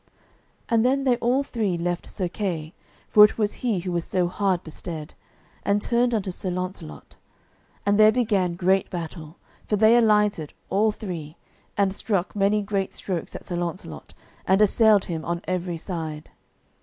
And then they all three left Sir Kay, for it was he who was so hard bestead, and turned unto Sir Launcelot. And there began great battle, for they alighted, all three, and struck many great strokes at Sir Launcelot, and assailed him on every side.